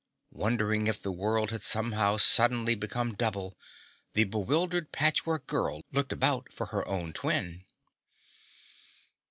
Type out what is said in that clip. Wondering if the world had somehow suddenly become double, the bewildered Patchwork Girl looked about for her own twin.